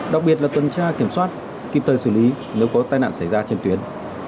đặc biệt là tuần tra kiểm soát kịp thời xử lý nếu có tai nạn xảy ra trên tuyến